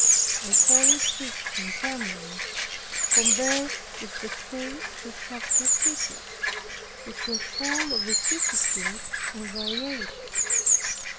I call it fixed and permanent, compared with the states which have preceded it, which were full of vicissitudes and variations.